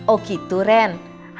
oh gitu ren